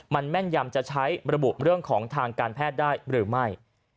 มันแม่นยำจะใช้ระบุเรื่องของทางการแพทย์ได้หรือไม่